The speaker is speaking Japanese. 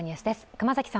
熊崎さん